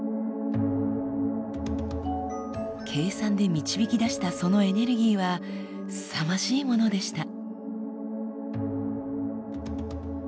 計算で導き出したそのエネルギーはすさまじいものでした。